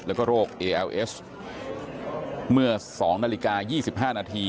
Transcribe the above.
แล้วก็โรคเอเอลเอสเมื่อสองนาฬิกายี่สิบห้านาที